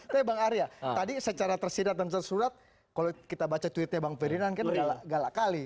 tapi bang arya tadi secara tersirat dan tersurat kalau kita baca tweetnya bang ferdinand kan udah galak kali